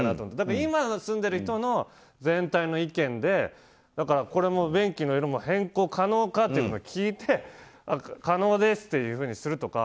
今住んでいる人の全体の意見でこれも、便器の色も変更可能かっていうのを聞いて可能ですっていうふうにするとか。